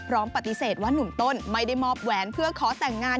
พร้อมปฏิเสธว่านุ่มต้นไม่ได้มอบแหวนเพื่อขอแต่งงาน